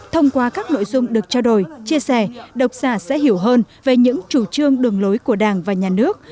thông qua các nội dung được trao đổi chia sẻ độc giả sẽ hiểu hơn về những chủ trương đường lối của đảng và nhà nước